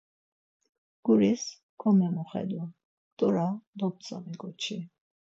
Guris komemoxedu, t̆ora dop̌tzami ǩoçi!